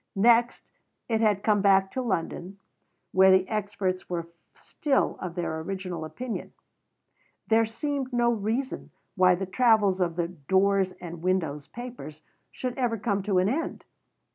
Next it had come back to London, where the experts were still of their original opinion. There seemed no reason why the travels of the "Doors and Windows" papers should ever come to an end.